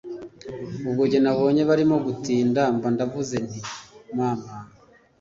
ubwo njye nabonye barimo gutinda mba ndavuze nti maman